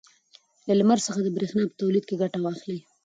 له لمر څخه د برېښنا په تولید کې ګټه واخلئ.